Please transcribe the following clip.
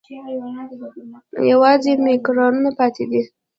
یوازې مېکاروني پاتې ده.